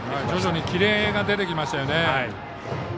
徐々にキレが出てきましたね。